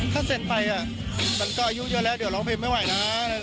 ถ้าเซ็นไปมันก็อายุเยอะแล้วเดี๋ยวร้องเพลงไม่ไหวนะ